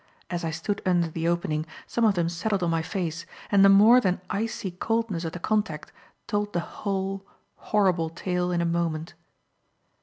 As I stood under the opening, some of them settled on my face; and the more than icy coldness of the contact, told the whole, horrible tale in a moment.